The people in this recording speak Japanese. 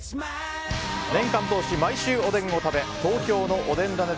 年間通し毎週おでんを食べ東京のおでんだね